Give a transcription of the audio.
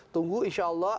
tunggu insya allah